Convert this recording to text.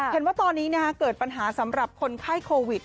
เห็นว่าตอนนี้เกิดปัญหาสำหรับคนไข้โควิด